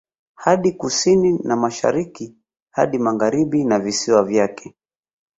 Hadi Kusini na Mashariki hadi Magharibi na visiwa vyake